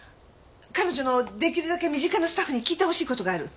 彼女の出来るだけ身近なスタッフに聞いてほしい事がある。